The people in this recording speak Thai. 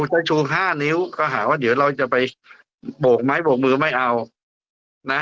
ก็ชู๕นิ้วก็หาว่าเดี๋ยวเราจะไปโบกไม้โบกมือไม่เอานะ